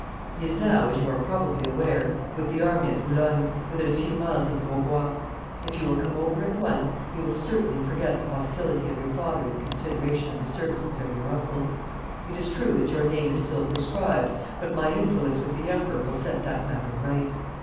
He is now, as you are probably aware, with the army at Boulogne, within a few miles of Grosbois. If you will come over at once he will certainly forget the hostility of your father in consideration of the services of your uncle. It is true that your name is still proscribed, but my influence with the Emperor will set that matter right.